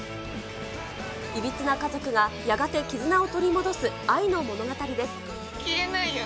いびつな家族がやがて絆を取り戻す愛の物語です。